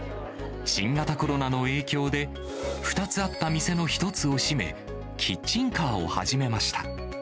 新型コロナの影響で、２つあった店の１つを閉め、キッチンカーを始めました。